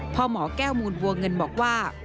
พ่อหมอแก้วมูลบัวเงินบอกว่า